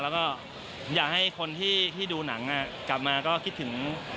แล้วก็อยากให้คนที่ดูหนังกลับมาก็คิดถึง